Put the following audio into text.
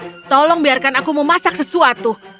ayo tolong biarkan aku memasak sesuatu